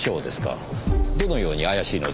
どのように怪しいのでしょう。